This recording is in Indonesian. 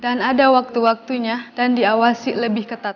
dan ada waktu waktunya dan diawasi lebih ketat